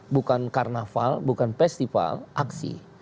bukan karnaval bukan festival aksi